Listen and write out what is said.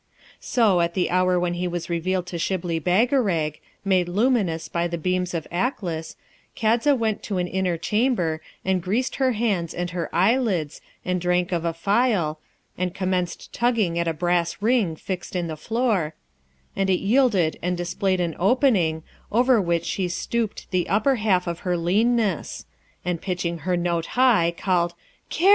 So, at the hour when he was revealed to Shibli Bagarag, made luminous by the beams of Aklis, Kadza went to an inner chamber, and greased her hands and her eyelids, and drank of a phial, and commenced tugging at a brass ring fixed in the floor, and it yielded and displayed an opening, over which she stooped the upper half of her leanness, and pitching her note high, called 'Karaz!'